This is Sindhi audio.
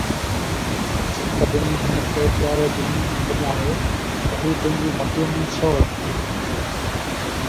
جيڪڏهن هن کي پيارو دين ۽ دل آهي ته هو پنهنجي گهٽيءَ ۾ ڇو وڃي؟